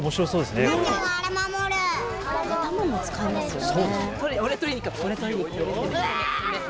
頭も使いますよね。